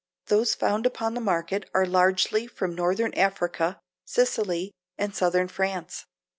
Those found upon the market are largely from northern Africa, Sicily and southern France.